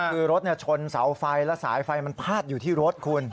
คือรถชนเสาไฟแล้วสายไฟมันพาดอยู่ที่รถคุณ